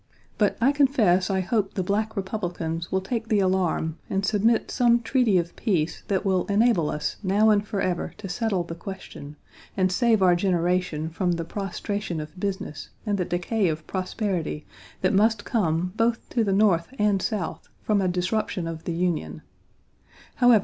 But I confess I hope the black Republicans will take the alarm and submit some treaty of peace that will enable us now and forever to settle the question, and save our generation from the prostration of business and the decay of prosperity that must come both to the North and South from a disruption of the Union.